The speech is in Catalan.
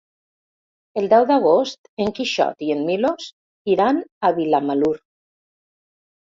El deu d'agost en Quixot i en Milos iran a Vilamalur.